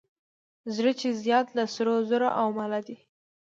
زړه چې زیات له سرو زرو او ماله دی.